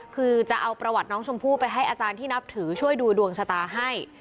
คือจะเอาประวัติน้องชมพู่ไปให้อาจารย์ที่นับถือช่วยดูดวงชะตาให้